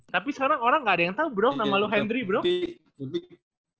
tapi sekarang orang gak ada yang tau bro nama lu hendry bro